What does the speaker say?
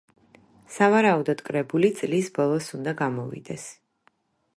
სავარაუდოდ კრებული წლის ბოლოს უნდა გამოვიდეს.